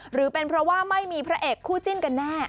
หรือเป็นเพราะว่าไม่มีพระเอกคู่จิ้นกันแน่